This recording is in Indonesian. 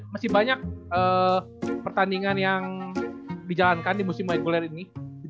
masih banyak pertandingan yang dijalankan di museum reguler ini